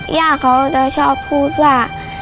ย่าเขาจะชอบพูดว่า